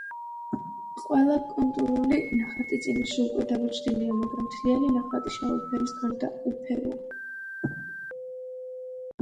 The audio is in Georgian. ყველა კონტურული ნახატი წიგნში უკვე დაბეჭდილია, მაგრამ მთლიანი ნახატი, შავი ფერის გარდა, უფეროა.